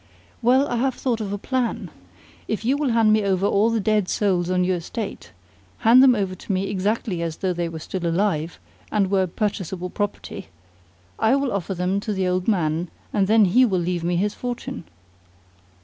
"Well, I have thought of a plan. If you will hand me over all the dead souls on your estate hand them over to me exactly as though they were still alive, and were purchasable property I will offer them to the old man, and then he will leave me his fortune."